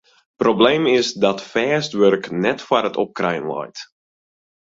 Probleem is dat fêst wurk net foar it opkrijen leit.